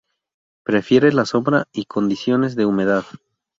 Prefiere la sombra y condiciones de humedad.